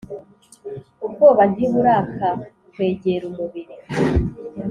Ubwoba ntiburakakwegera umubiri,